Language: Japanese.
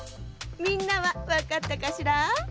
みんなはわかったかしら？